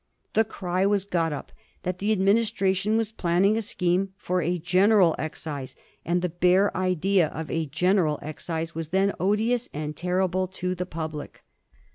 The cry was got up that tiie administra« tion were planning a scheme for a general excise, and the bare idea of a general excise was then odious and terrible to the public.